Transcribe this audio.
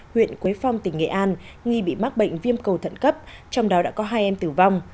huyện quế phong tỉnh nghệ an nghi bị mắc bệnh viêm cầu thận cấp trong đó đã có hai em tử vong